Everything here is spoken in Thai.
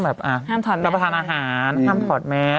ประกาศห้ามรับประทานอาหารห้ามถอดแมท